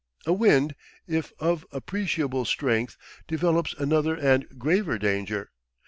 A wind, if of appreciable strength, develops another and graver danger.